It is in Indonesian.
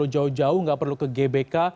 jauh jauh nggak perlu ke gbk